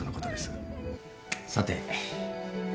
さて。